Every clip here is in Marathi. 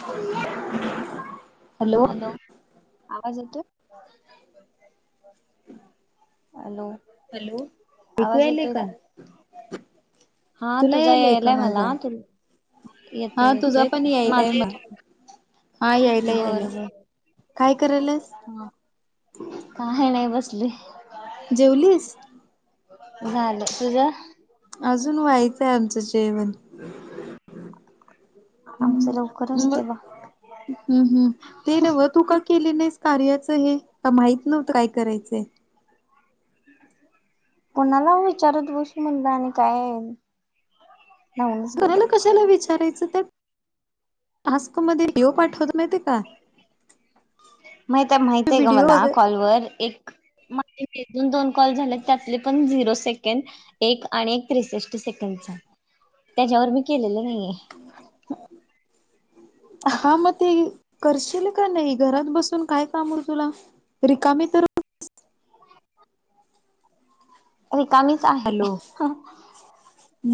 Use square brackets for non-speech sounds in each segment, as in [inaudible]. [unintelligible] हॅलो आवाज येतोय हॅलो हॅलो ऐकूयायलय का? तुला यायलय का माझा हा तुझा पण यायलाय मला हा यायलय यायलय काय करायलेस. काही नाही बसले जेवलीस अजून व्हायचंय आमचं जेवण आमचं लवकर असते बा हम् हम् ते नव तू का केले नाहीस कार्याचं हे का माहित नव्हत काय करायचंय कोणाला विचारत बस म्हणलं आणि काय आहे घराला कशाला विचारायचं त्या आस्को मध्ये येव पाठवत नाही का माहित माहित आहे का व्हिडिओ मला वगैरे कॉलवर एक माझे एक दोन कॉल झाले त्यातले पण झिरो सेकंड एक आणि एक त्रेसष्ट सेकंडचा त्याच्यावर मी केलेलं नाहीये हा म ते करशील का नाही घरात बसून काय काम तुला रिकामी च तर रिकामीच आहे हॅलो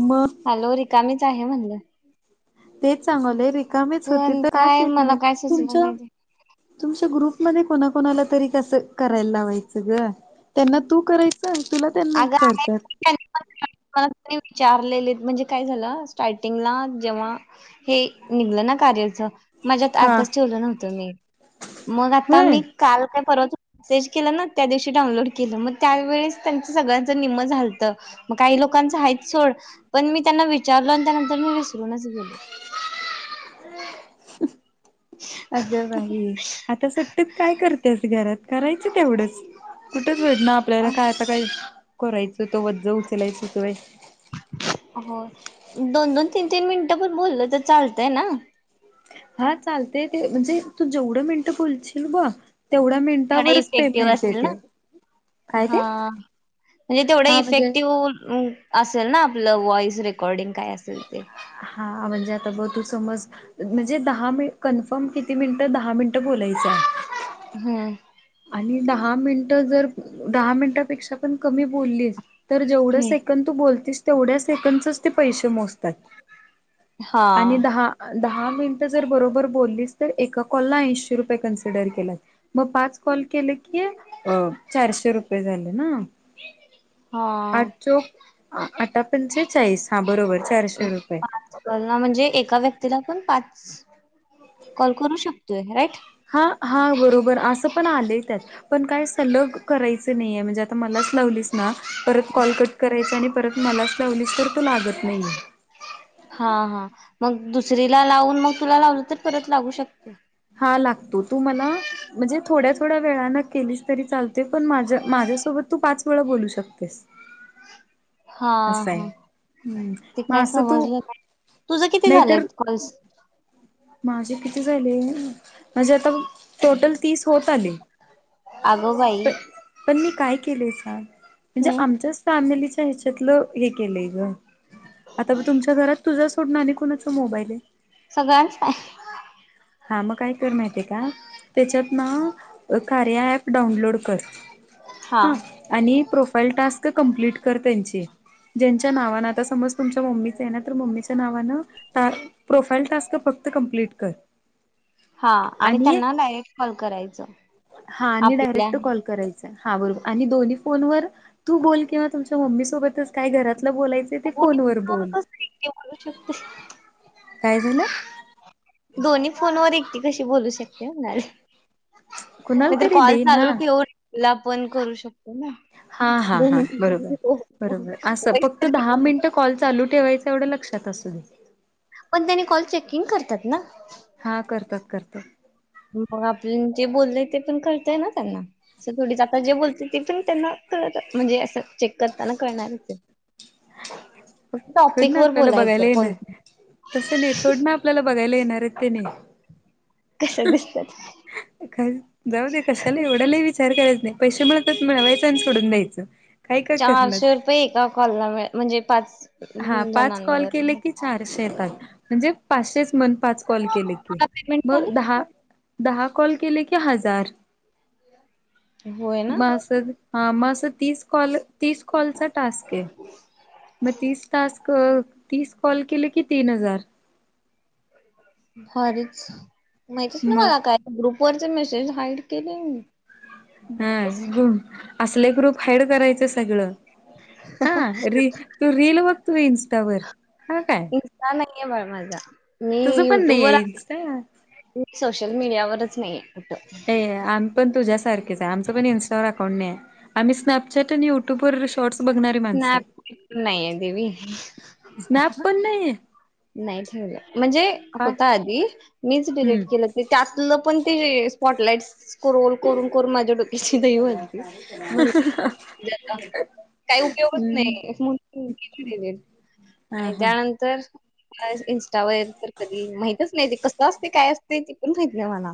मग हॅलो रिकामीच आहे म्हणलं तेच चांगवलंय रिकामेच होते तर काय केली नाही तुमच तुमच्या ग्रुप मध्ये कोणाकणाला तरी कसं करायला लावायचं ग त्यांना तू करायच तुला त्यांना करतात विचारलेले म्हणजे काय झालं स्टार्टिंगला जेव्हा हे निघलं ना कारलचं माझ्यात हा आपस ठेवलं नव्हतं मी मग आता होय मी काल काय परवा मेसेज केलं ना त्या दिवशी डाउनलोड केलं मग त्यावेळेस त्यांच सगळ्यांच निम्म झालतं मग काही लोकांचं हायचं सोड पण मी त्यांना विचारलो आणि त्यानंतर मी विसरूनच गेलो अगं बाई आता सुट्टीत काय करतेस घरात करायचं तेवढंच कुठंच भेट ना आपल्याला काय ता काय करायचं तो वज उचलायच ति हो दोन दोन तीन तीन मिनट पण बोललं तर चालतय ना हा चालतय ते म्हणजे तू जेवढं मिनिटं बोलशील ब तेवढ्या मिनिटावरच पेमेंट येते काय हा ते म्हणजे तेवढा हा म्हणजे इफेक्टिव्ह असेल ना आपलं व्हॉइस रेकॉर्डिंग काय असेल ते हा म्हणजे आता बघ तू समज म्हणजे दहा मि कन्फर्म किती मिनिटं दहा मिनिटं बोलायचं हम्म आणि दहा मिनिट जर दहा मिनिटापेक्षा पण कमी बोललीस तर जेवढं सेकंंद तू बोलतीस तेवढ्या सेकंच ते पैसे मोजतात आणि दहा दहा मिनिटं जर बरोबर बोललीस तर एका कॉलला ऐंशी रुपये कन्सिडर केलात मग पाच कॉल केले की चारशे रुपये झाले ना आठ चोक आठ पचे चाळीस हा बरोबर चारशे रुपये कल ना म्हणजे एका व्यक्तीला पण पाच कॉल करू शकतोय राईट हा हा बरोबर असं पण आले त्यात पण काय सलग करायच नाहीे म्हणजे आता मलाच लावली ना परत कॉल कट करायच आणि परत मलाच लावलीस तर तू लागत नाहीे हा हा मग दुसरीला लावून मग तुला लावल तर परत लावू शकते हा लागतो तू मला म्हणजे थोड्या थोड्या वेळाान केलीस तरी चालते पण माझ्या माझ्यासोबत तू पाच वेळा बोलू शकतेस हा असं आहे हा हम्म ते मग काय असं तू समजलं नाही तुझं किती नाहीतर झालंत कॉल्स माझे किती झाले म्हणजे आता टोटल तीस होत आले पण मी काय केलंय स म्हणजे आमच्याच फॅमिलीच्या ह्याच्यातलं हे केलंय ग आता म तुमच्या घरात तुझ्या सोडणं आणि कुणाचा मोबाईलय. सगळ्यांच. हा मग काय कर माहिती का? त्याच्यात ना कार्या आप डाउनलोड कर. हा आणि प्रोफाईल टास्क कमप्लीट कर त्यांचे, ज्यांच्या नावान आता समज तुमच्या मम्मीच आहे ना तर मम्मीच्या नावान प्रोफाईल टास्क फक्त कमप्लीट कर. हा आणि त्यांना डायरेक्ट कॉल करायच, हा आणि आपल्या डायरेक्ट कॉल करायचा हा बरोबर आणि दोन्ही फोन वर तू बोल किंवा तुमच्या मम्मी सोबत काय घरातलं बोलायच ते फोन वर बोल. काय झालं? दोन्ही फोनवर एकटी कशी बोलू शकते म्हणाले. कुणाला नाय तर तरी कॉल दे चालू ना ठेवूनला पण करू शकतो ना. हा हा हा बरोबर, बरोबर अस फक्त दहा मिनट. कॉल चालू ठेवायचं एवढं लक्षात असू दे. पण त्याने कॉल चेकिंग करतात ना. हा करतात, करतात. म आपण जे बोलय ते पण कळतंय ना त्यांना. असं थोडीच आता जे बोलते ती पण त्यांना कळत म्हणजे असं चेक करताना कळणारच हाय. थोडी टॉपिक ना वर आपल्याला बघायला बोलायचंय येणार कोण तसं नाही थोड ना आपल्याला बघायला येणार आहेत तेनी. जाऊ दे कशाला एवढ लय विचार करायच नाही पैसे मला मिळवायचं आणि सोडून द्यायचं. काय काय करणार चारशे रुपये एका कॉलला मि म्हणजे पाच होन जण. पाचशे येतात, म्हणजे पाचशे म्हण पाच कॉल केले की, म दहा दहा कॉल केले कि हजार, म अस. हा म असं तीस कॉल तीस कॉलचा टास्क आहे. मग तीस टास्क, तीस कॉल केलं की तीन हजार. भारीच, माहितीच ना मग मला काय ग्रुपवररचे मेसेज हाईड केलय मी. हा, असले ग्रुप हाईड करायचं सगळं. हा री, तू रीलील बघ तू इं्स्टावर हा काय. इन्स्टा नाही हाय बाई माझा, मी तुझं पण युट्यूब नाही वर आहे इन्स्टा सोशल मीडियावरच नाया कुठ. हे आम्ही पण तुझ्यासारखच आहे आमचंण इनस्टावर अकाउंट नाहिय, आम्ही स्नॅपचॅट आणि यु युट्युबवर शॉर्ट्स बघणारी माणसं, स्नॅप पण नाही. नाही ठेवलं म्हणजे होता आधी मीच डिलीट हम्म केलं. त्यातलं पण ते स्पॉटलाईट्स स्क्रोल करून करून माझ्या डो याची दहिवालती. काही उपयोगच हम्म नाही. हा हा. तर. इं्स्टावर तर कधी माहितच नाही ते कसं असते काय असते ते पण माहिती आहे मला.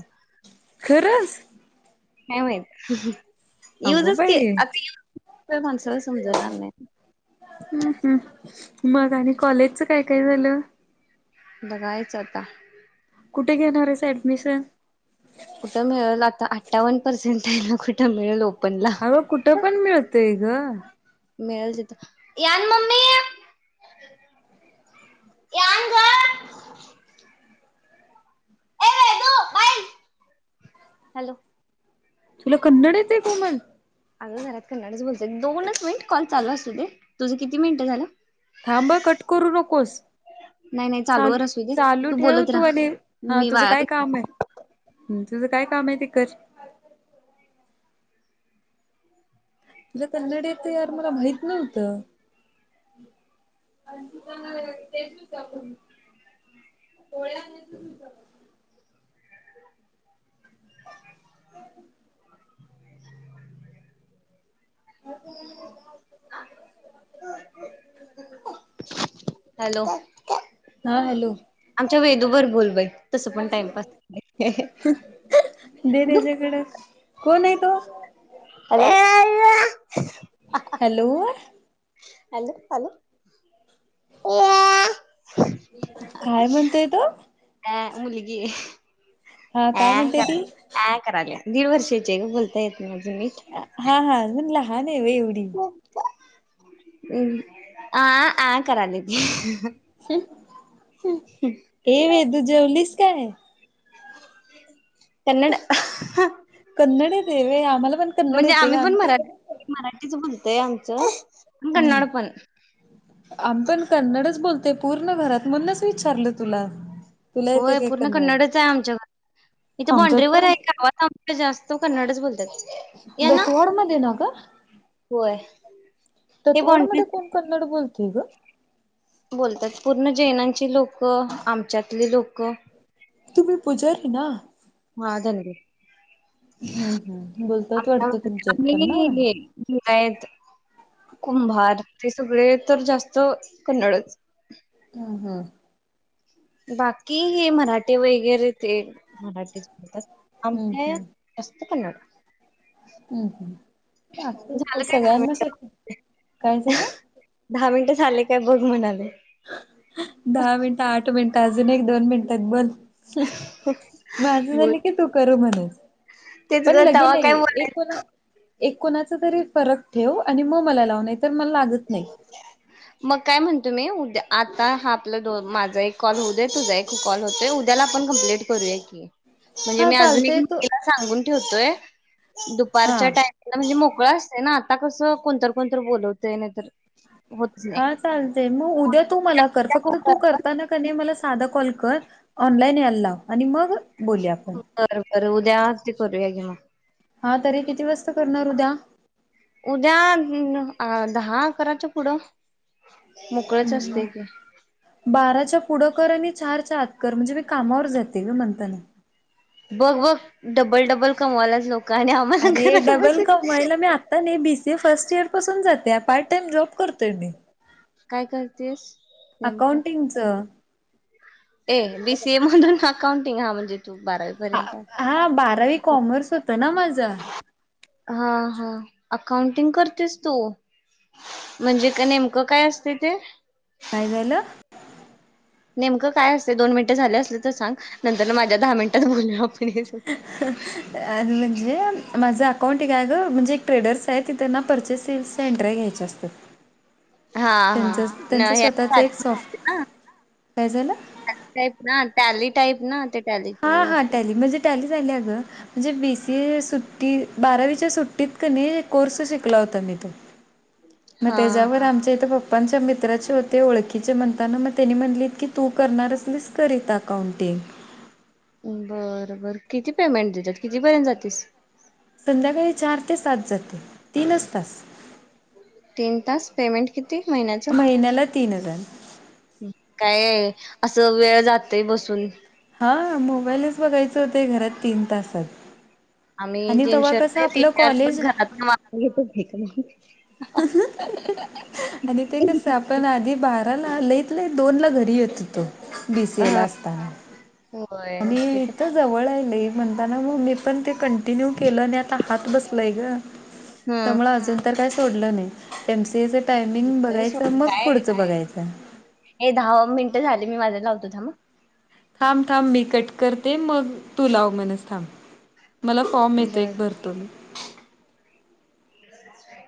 खरच. नाहीय माहित, अगो युजच बाई आता माणसाला समजणार नाही. ह् ह्, मग आणि कॉलेजच काय काय झालं? बगायच आता. कुठे घेणार आहेस ऍडमिशन. कुठं मिळेल आता अठ्ठान पर्सेंट आहे ना कुठं मिळेल. अग कुठं पण मिळतय ग. मिळल तिथं, यान मम्मी. [inaudible] [unintelligible] हॅलो तुला कन्नड येतय कोमल अगं घरात कन्नडच बोलत्यात दोनच मिंट कॉल चालू असु दे तुझं किती मिनिटं झालं थांब कट करू नकोस चालू चालू ठेव तू आणि हा तुझं काय काम आहे तुझं काय काम आहे ते कर तुला कन्नड येतय यार मला माहित नव्हतं [unintelligible] पोळ्या [unintelligible] [inaudible] [inaudible] [unintelligible] हॅलो हा हॅलो आमच्या वेदुबर बोल बाई तसं पण टाइमपास [unintelligible] [unintelligible] कोण आहे तो [unintelligible] हॅलो हॅलो हॅलो [unintelligible] काय म्हणतेय तो ह मुलगी हा काय आं म्हणतेय ती कराल्या आ कराल्या दीड वर्षाची हाय ग बोलता येत नाही अजून नीट हा हा न लहान आहे ग येवडी [inaudible] आ आ करल्या ती [unintelligible] हम् हे वेदु जेवलीस काय कन्नड कन्नड येतय होय आम्हाला पण - म्हणजे आम्ही पण मराठी मराठीच बोलतोय आमचं हम्म आम्ही पण कन्नडच बोलतोय पूर्ण घरात म्हणूनच विचारलं तुला तुला येते होय काय पूर्ण कन्नड? कन्नडच आहे आमच्या घरात इथे आमच्यात बाॉन्ड्रीवर पण आहे गावात जास्त कन्नडच बोलत्यात दत्तवाडमध्ये ना ग होय दत्तवाड मध्ये कोण कन्नड बोलतय ग बोलतात पूर्ण जैनांची लोक आमच्यातली लोक तुम्ही पूजारी ना हा धनगर हम्म हम् बोलतात वाटत तुमच्यात पण ना लिंगायत कुंभार ते सगळे तर जास्त कन्नडच हम हम बाकी हे मराठे वगैरे ते मराठी बोलतात हम्म आमच्या हम्म - कस्त कन्नड हम् हम् बाकी काय सगळ्यांनाच [unintelligible] काय झालं दहा मिनिटं झाले काय बघ म्हणालोय दहा मिनिटं आठ मिनिटं अजून एक दोन मिनिटात बोल माझं झालं की तू करू म्हणेस पण लगे नाही एक कोण एक कोणाचा तरी फरक ठेव आणि मग मला लाव नाही तर मला लागत नाही मग काय म्हणतो मी उद्या आता हा आपला दो माझा एक कॉल होऊ दे तुझा एक कॉल होतय उद्याला आपण कं्प्लें करूया की म्हणजे हा मी अजून एक चालतय तू मुलीला सांगून ठेवतोय हा दुपारच्या टा म्हणजे मोकळा असत ना आता कसं कोणतर कोणतर बोलवतय ना तर हा चालतेय मग उद्या तू मला कर फक्त तू करताना मला साधा कॉल कर ऑनलाईन यायला लाव आणि मग बोली आपण र बरं उद्या ते करूया घी मग हा तरी किती वाज करणार उद्या उद्या दहा अकराच पुढं मोकळेच हम्म, असते की बाराच्या पुढं कर आणि चारच्या आतकर म्हणजे मी कामावर जाते का म्हणत नाही बघ बघ डबल डबल कमवालाच लोकां अरे डबल कमायला मी आ नाही बीसीए फर्स्ट इयर पासून जाते पार्ट टाइम जॉब करतोय मी अकाउंटिंगच ए बीसीए मधून अकाउंटिंग हा म्हणजे तू बारावी हा बारावी कॉमर्स होतं ना माझं हा हा अकाउंटिंग करतेस तू म्हणजे का नेमकं काय असते ते काय झालं नेमकं काय असते दोन मिनिटं झाले असले तर सांग नंतर माझ्या दहा मिनिटात बोल [unintelligible] म्हणजे माझं अकाउंट आहे काय गं म्हणजे एक ट्रेडर्स आहे ति त्यांना परचेस सेल्सचे एंटर घ्यायचे असतं त्यांच त्यांच स्वतःच एक शाॅप काय झालं टाईप ना टॅली टाईप ना ते हा हा टॅली म्हणजे टॅली झाली अगं म्हणजे बी सी ए सुट्टी बारावीच्या सुट्टीत क नी कोर्स शिकला होता मी तो मग त्याच्यावर आमच्या इथं पंचे मित्राचे होते ओळखीचे म्हणताना मग त्यांनी म्हणलीत की तु करणार असलीस करीत अकाउंटिंग बरं बर किती पेमेंट देतात कितीपर्यंत जातेस संध्याकाळी चार ते सात जाते तीनच तास तीन तास पेमेंट किती महिन्याचं महिन्याला तीन हजार काय आहे असं वेळ जातय बसुन हा मोबाईलच बघायचं होत घरात तीन तासात आम्ही आणि तेव्हा जनवर कसं आपलं र पण कॉलेज घरात वापून घेत [unintelligible] आणि ते कस पण आधी बाराला लईत लईत दोन ला घरी येत होतो बीसीए ला असता आणि इथ जवळ‌ आहे लय म्हणताना म पण ते कंटिन्यू केलं नाही आता हात बसलाय ग त्यामु अजून तर काय सोडलं नाही एमसीएच टायमिंग बघायच मग पुढचं बघायचं हे दहा मिनट झाले मी माझ्या लावतोता मग थांब थांब मी कट करते मग तू लाव म्हणच थांब मला फॉर्म येतो एक भरतून ह